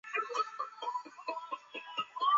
鼠尾草叶荆芥为唇形科荆芥属下的一个种。